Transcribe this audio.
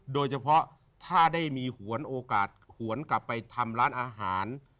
โดยเฉพาะถ้าได้มีหวนโอกาสหวนกลับไปทำร้านอาหาร